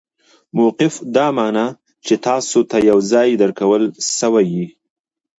موقف دا مانا، چي تاسي ته یو ځای درکول سوی يي.